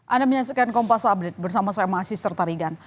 anda menyaksikan kompas update bersama saya mahasiswa tarigan